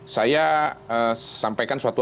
saya sampaikan suatu